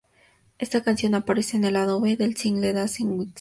Está canción aparece en el lado B del single Dancin' with Santa.